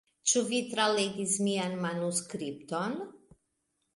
Ĉu vi tralegis mian manuskripton?